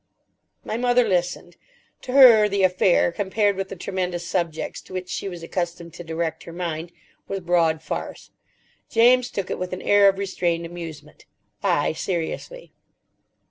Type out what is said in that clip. My mother listened. To her the affair, compared with the tremendous subjects to which she was accustomed to direct her mind, was broad farce. James took it with an air of restrained amusement. I, seriously.